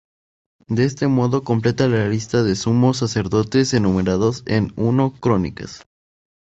De este modo, completa la lista de sumos sacerdotes enumerados en I Crónicas.